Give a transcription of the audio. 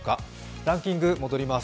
ランキングに戻ります。